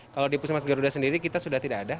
kalau di puskesmas garuda sendiri kita sudah tidak ada